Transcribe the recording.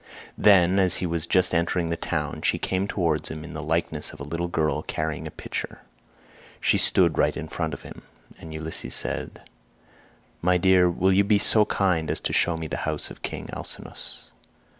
Then, as he was just entering the town, she came towards him in the likeness of a little girl carrying a pitcher. She stood right in front of him, and Ulysses said: "My dear, will you be so kind as to show me the house of king Alcinous?